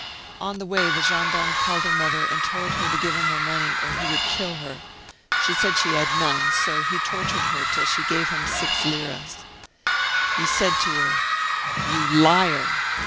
On the way, the gendarme called her mother, and told her to give him her money, or he would kill her; she said she had none, so he tortured her till she gave him six liras. f ... He said to her: "You liar